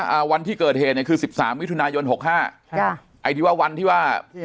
อ่าวันที่เกิดเหตุเนี้ยคือสิบสามมิถุนายนหกห้าค่ะไอ้ที่ว่าวันที่ว่า